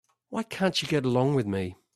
Why can't she get along with me?